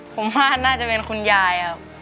ผมว่าน่าจะเป็นคุณยายครับ